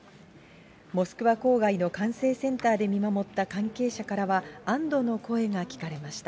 モスクワ郊外の管制センターで見守った関係者からは、安どの声が聞かれました。